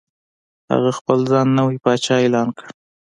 هغه خپل ځان نوی پاچا اعلان کړ.